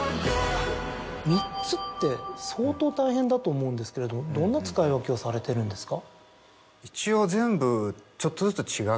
３つって相当大変だと思うんですけれどもどんな使い分けをされてるんですか？